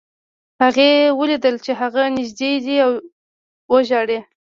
هغې ولیدل چې هغه نږدې دی وژاړي